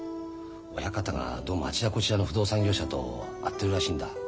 親方がどうもあちらこちらの不動産業者と会ってるらしいんだ。